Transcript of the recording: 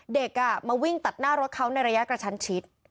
เด็กมาวิ่งตัดหน้ารถเขาในระยะกระชั้นชิด